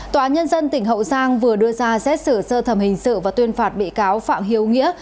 tòa nhân dân tỉnh hậu giang vừa đưa ra xét xử sơ thẩm hình sự và tuyên phạt bị cáo phạm hiếu nghĩa